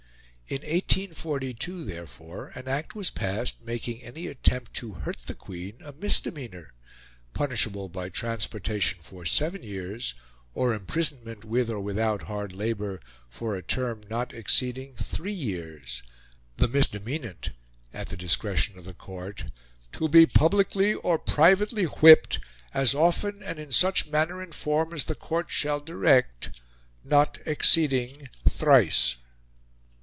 In 1842, therefore, an Act was passed making any attempt to hurt the Queen a misdemeanor, punishable by transportation for seven years, or imprisonment, with or without hard labour, for a term not exceeding three years the misdemeanant, at the discretion of the Court, "to be publicly or privately whipped, as often, and in such manner and form, as the Court shall direct, not exceeding thrice."